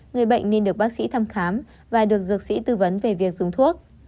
người bệnh nên được bác sĩ thăm khám và được dược sĩ tư vấn về việc dùng thuốc